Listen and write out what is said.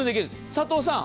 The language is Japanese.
佐藤さん。